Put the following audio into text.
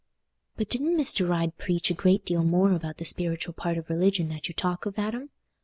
"But didn't Mr. Ryde preach a great deal more about that spiritual part of religion that you talk of, Adam?